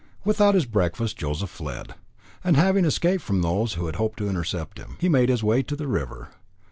Without his breakfast, Joseph fled; and having escaped from those who had hoped to intercept him, he made his way to the river.